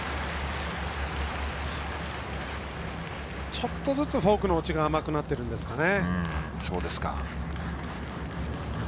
ちょっとずつフォークの落ちが甘くなっているんですかね。